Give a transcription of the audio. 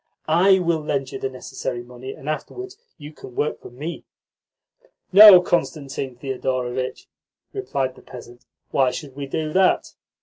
I will lend you the necessary money, and afterwards you can work for me." "No, Constantine Thedorovitch," replied the peasant. "Why should we do that?